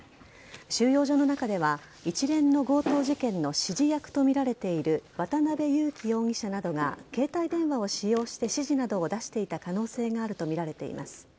収容所の中では、一連の強盗事件の指示役と見られている渡辺優樹容疑者などが、携帯電話を使用して指示などを出していた可能性があると見られています。